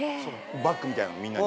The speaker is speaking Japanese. バッグみたいなのをみんなに。